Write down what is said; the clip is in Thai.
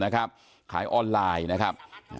ขายออนไลน์นะครับ